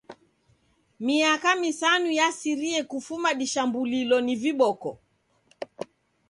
Miaka misanu yasirie kufuma dishambulilo ni viboko.